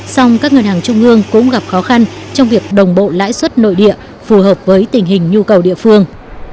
song các ngân hàng trung ương cũng gặp khó khăn trong việc đồng bộ lãi suất nội địa phù hợp với tình hình nhu cầu địa phương